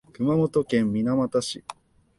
熊本県水俣市